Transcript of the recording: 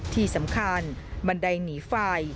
ที่สำคัญบันไดหนีไฟ